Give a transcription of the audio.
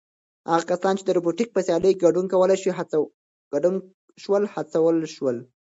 هغه کسان چې د روبوټیک په سیالیو کې ګټونکي شول هڅول شول.